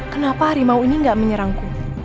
kenapa harimau ini gak menyerangku